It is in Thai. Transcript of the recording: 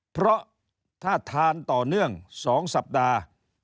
เพราะถ้าทานต่อเนื่อง๒สัปดาห์